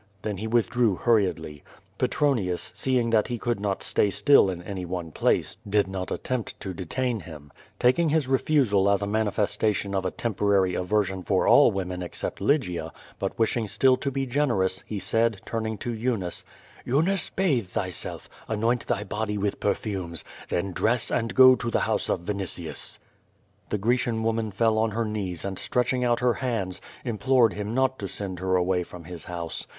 Then he withdrew hurriedly. Petronius, seeing that he could not stay still in any one place, did not attempt to detain him. Taking his refusal as a manifestation of a temporar}' aversion for all women except Lygia, but wishing still to be be generous, he said, turning to Eunice: "Eunice, bathe thyself, anoint thy body with perfumes, then dress and go to the house of Vinitius.*' The Grecian woman fell on her knees, and stretching out her hands, implored him not to send her away from his house.